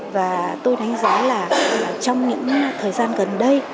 và tôi đánh giá là trong những thời gian gần đây